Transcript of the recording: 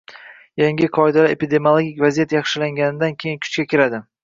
Yangi qoidalar epidemiologik vaziyat yaxshilanganidan keyin kuchga kiradi